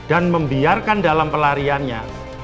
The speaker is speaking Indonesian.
dan membiarkan dalam pelariannya